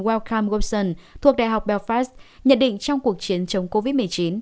wellcome wilson thuộc đại học belfast nhận định trong cuộc chiến chống covid một mươi chín